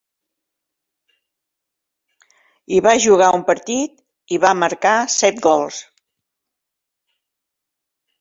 Hi va jugar un partit, i va marcar set gols.